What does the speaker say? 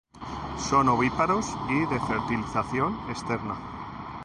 Son ovíparos y de fertilización externa.